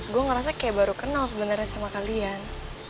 gue ngerasa kayak baru kenal sebenarnya sama kalian